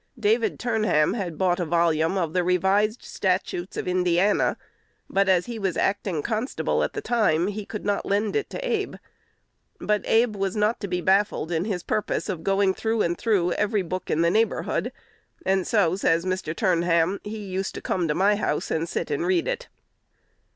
David Turnham had bought a volume of "The Revised Statutes of Indiana;" but, as he was "acting constable" at the time, he could not lend it to Abe. But Abe was not to be baffled in his purpose of going through and through every book in the neighborhood; and so, says Mr. Turnham, "he used to come to my house and sit and read it."